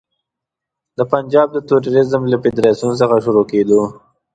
د پنجاب د توریزم له فدراسیون څخه شروع کېدو.